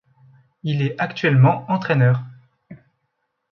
Il est actuellement entraîneur.